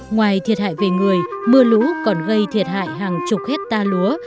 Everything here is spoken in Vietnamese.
ngoài thiệt hại về người mưa lũ còn gây thiệt hại hàng chục hết ta lúa